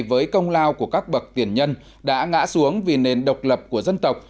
với công lao của các bậc tiền nhân đã ngã xuống vì nền độc lập của dân tộc